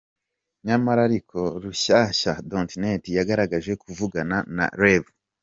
Nyamara ariko Rushyashya.net yagerageje kuvugana na Rev.